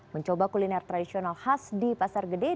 mencoba kuliner tradisional khas di pasar gede